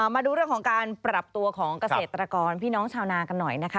มาดูเรื่องของการปรับตัวของเกษตรกรพี่น้องชาวนากันหน่อยนะคะ